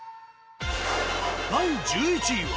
第１１位は。